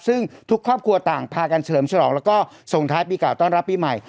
ซึ่งทุกครอบครัวต่างพากันเฉลิมฉลองแล้วก็ส่งท้ายปีเก่าต้อนรับปีใหม่